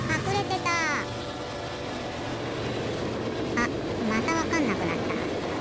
あっまたわかんなくなった。